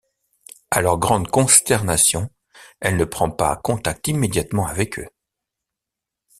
À leur grande consternation, elle ne prend pas contact immédiatement avec eux.